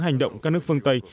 hành động các nước phương tây